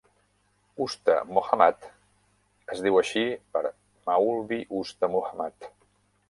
Usta Mohammad es diu així per Maulvi Usta Mohammad.